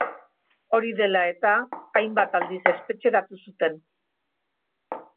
Hori dela eta, hainbat aldiz espetxeratu zuten.